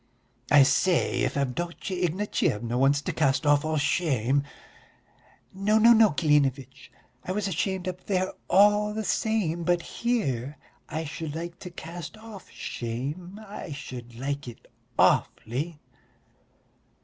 "I say, if Avdotya Ignatyevna wants to cast off all shame...." "No, no, no, Klinevitch, I was ashamed up there all the same, but here I should like to cast off shame, I should like it awfully."